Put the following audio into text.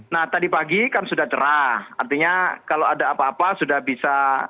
nah tadi pagi kan sudah cerah artinya kalau ada apa apa sudah bisa